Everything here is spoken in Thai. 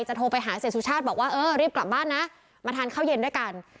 โทรไปหาเสียสุชาติบอกว่าเออรีบกลับบ้านนะมาทานข้าวเย็นด้วยกัน